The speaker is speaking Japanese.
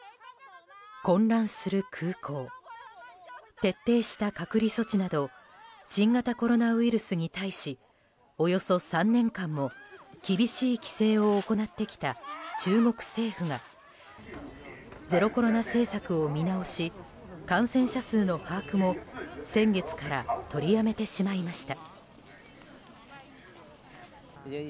徹底した隔離措置など新型コロナウイルスに対しおよそ３年間も厳しい規制を行ってきた中国政府がゼロコロナ政策を見直し感染者数の把握も先月から取りやめてしまいました。